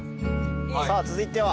さあ続いては？